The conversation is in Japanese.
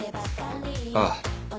ああ。